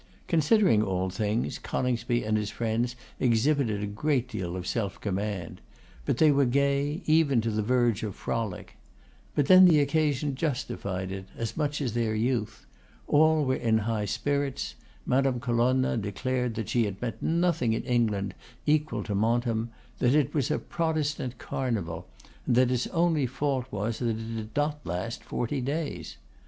Considering all things, Coningsby and his friends exhibited a great deal of self command; but they were gay, even to the verge of frolic. But then the occasion justified it, as much as their youth. All were in high spirits. Madame Colonna declared that she had met nothing in England equal to Montem; that it was a Protestant Carnival; and that its only fault was that it did not last forty days.